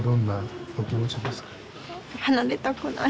離れたくない。